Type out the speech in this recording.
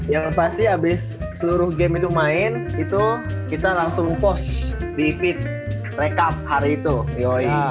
yang pasti habis seluruh game itu main itu kita langsung pos david rekam hari itu yoi